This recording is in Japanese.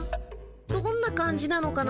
どんな感じなのかな。